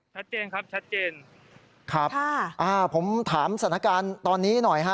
ชัดเจนครับชัดเจนครับค่ะอ่าผมถามสถานการณ์ตอนนี้หน่อยฮะ